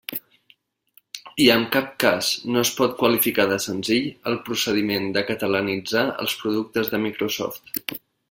I en cap cas no es pot qualificar de senzill el procediment de catalanitzar els productes de Microsoft.